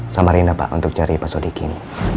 samarinda pak untuk cari pak sodikin